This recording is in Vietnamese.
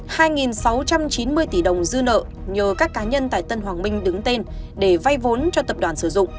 trong kết luận điều tra hai sáu trăm chín mươi tỷ đồng dư nợ nhờ các cá nhân tại tân hoàng minh đứng tên để vay vốn cho tập đoàn sử dụng